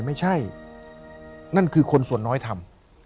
ไม่ใช่นั่นคือคนส่วนน้อยทำ